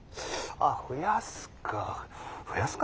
ああ増やすか。